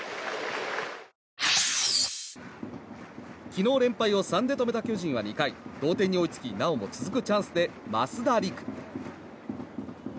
昨日、連敗を３で止めた巨人は２回同点に追いつきなおも続くチャンスで増田陸。